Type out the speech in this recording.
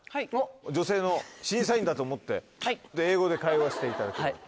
女性の審査員だと思って英語で会話していただきたい。